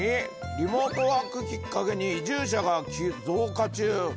「リモートワークきっかけに移住者が増加中」